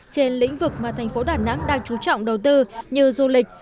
trên lĩnh vực mà thành phố đà nẵng đang trú trọng đầu tư như du lịch